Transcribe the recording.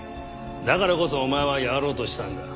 だからこそお前はやろうとしたんだ。